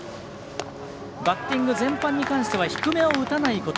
バッティング全般に関しては低めを打たないこと。